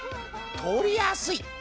取りやすい。